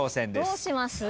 どうします？